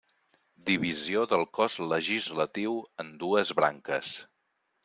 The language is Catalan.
Divisió del cos legislatiu en dues branques.